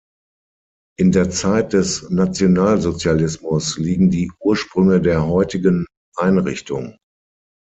In der Zeit des Nationalsozialismus liegen die Ursprünge der heutigen Einrichtung.